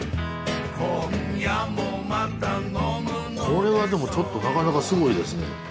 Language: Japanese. これはでもちょっとなかなかすごいですね。